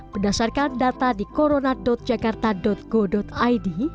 berdasarkan data di corona jakarta go id